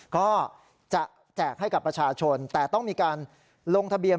ก็จะแจกให้กับประชาชนแต่ต้องมีการลงทะเบียน